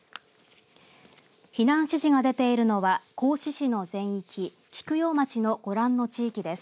避難指示が出ているのは合志市の全域菊陽町のご覧の地域です。